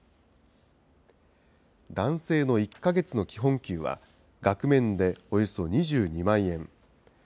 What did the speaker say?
男性の１か月の基本給は、額面でおよそ２２万円。